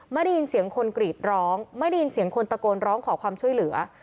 ไม่ได้ยินเสียงคนกรีดร้องไม่ได้ยินเสียงคนตะโกนร้องขอความช่วยเหลือ